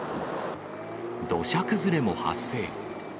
土砂崩れも発生。